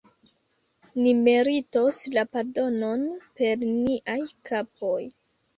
Ni meritos la pardonon per niaj kapoj!